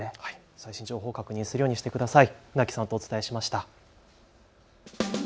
最新情報を確認するようにしてください。